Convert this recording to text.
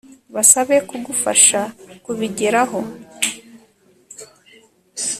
Basabe kugufasha kubigeraho